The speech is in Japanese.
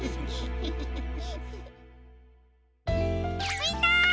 みんな！